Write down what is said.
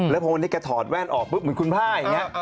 แล้วพอเมื่อกี้แกถอดแว่นออกปุ๊บเหมือนคุณพ่ายอย่างเงี้ย